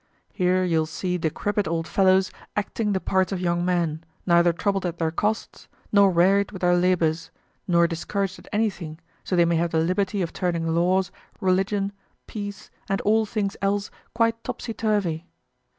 Here you'll see decrepit old fellows acting the parts of young men, neither troubled at their costs, nor wearied with their labors, nor discouraged at anything, so they may have the liberty of turning laws, religion, peace, and all things else quite topsy turvy.